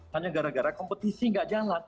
hanya gara gara kompetisi nggak jalan